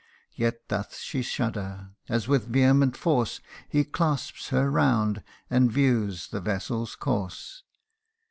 Yet doth she shudder, as with vehement force He clasps her round, and views the vessel's course.